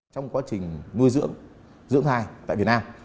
trong quá trình nuôi dưỡng dưỡng thai tại việt nam